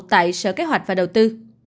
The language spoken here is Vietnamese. tại sở kế hoạch và đầu tư